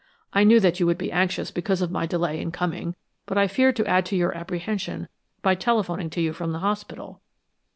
I knew that you would be anxious because of my delay in coming, but I feared to add to your apprehension by telephoning to you from the hospital."